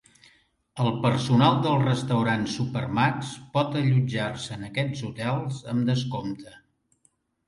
El personal dels restaurants Supermacs pot allotjar-se en aquests hotels amb descompte.